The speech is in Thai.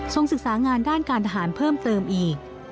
ศึกษางานด้านการทหารเพิ่มเติมอีก